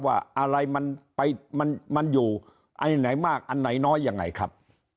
ว่าอะไรมันไปมันอยู่อันไหนมากอันไหนน้อยยังไงครับ